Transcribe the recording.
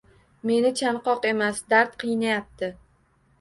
Meni chanqoq emas, dard qiynayapti